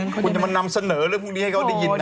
คุณจะมานำเสนอเรื่องพวกนี้ให้เขาได้ยินนะ